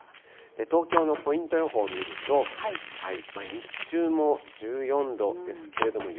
東京のポイント予報見ると、日中も１４度ですけれども、夜。